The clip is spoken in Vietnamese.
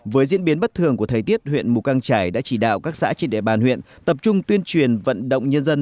với diễn biến bất thường của thời tiết huyện mù căng trải đã chỉ đạo các xã trên địa bàn huyện tập trung tuyên truyền vận động nhân dân